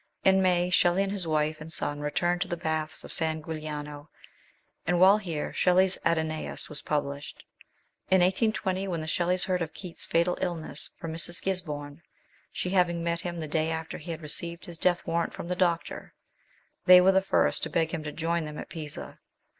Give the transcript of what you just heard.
In May, Shelley and his wife and son returned to the baths of San Giuliano, and while here' Shelley's Adonais was published. In 1820, when the Shelleys heard of Keats's fatal illness from Mrs. Gisborne, she having met him the day after he had received his death warrant from the doctor, they were the GODWIN AND " VALPERGA." 151 first to beg him to join them at Pisa.